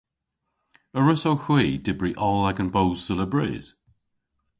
A wrussowgh hwi dybri oll agan boos seulabrys?